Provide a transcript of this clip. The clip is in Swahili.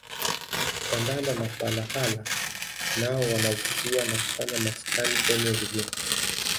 Tandala na palahala nao wanavutia na kufanya maskani kwenye vilima